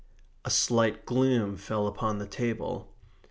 A slight gloom fell upon the table.